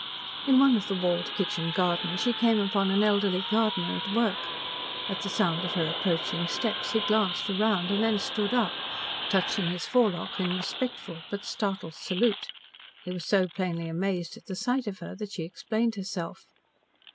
In one of the walled kitchen gardens she came upon an elderly gardener at work. At the sound of her approaching steps he glanced round and then stood up, touching his forelock in respectful but startled salute. He was so plainly amazed at the sight of her that she explained herself.